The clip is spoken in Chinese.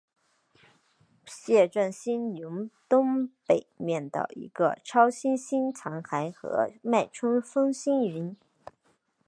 蟹状星云东北面的一个超新星残骸和脉冲风星云。